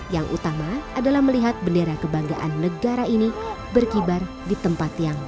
yang utama adalah melihat bendera kebanggaan negara ini berkibar di tempat yang